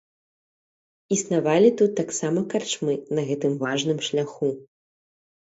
Існавалі тут таксама карчмы на гэтым важным шляху.